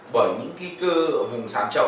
bởi những cái cơ ở vùng sản trậu